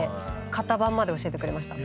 型番まで教えてくれました。